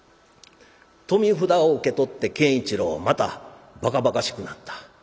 富札を受け取って健一郎はまたばかばかしくなった。